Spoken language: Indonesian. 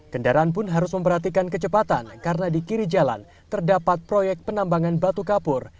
kendaraan pun harus memperhatikan kecepatan karena di kiri jalan terdapat proyek penambangan batu kapur